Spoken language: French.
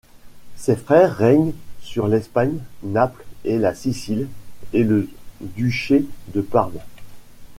Ses frères règnent sur l'Espagne, Naples et la Sicile et le duché de Parme.